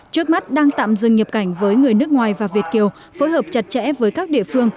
trước mắt đang tạm dừng nhập cảnh với người nước ngoài và việt kiều phối hợp chặt chẽ với các địa phương